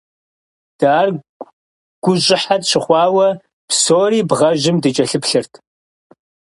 Дэ ар гущӀыхьэ тщыхъуауэ, псори бгъэжьым дыкӀэлъыплъырт.